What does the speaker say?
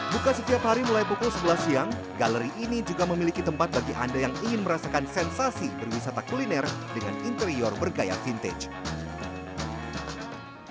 buka setiap hari mulai pukul sebelas siang galeri ini juga memiliki tempat bagi anda yang ingin merasakan sensasi berwisata kuliner dengan interior bergaya vintage